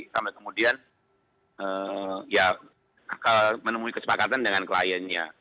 sampai kemudian ya akal menemui kesepakatan dengan kliennya